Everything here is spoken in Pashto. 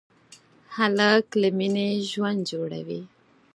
هلک له مینې ژوند جوړوي.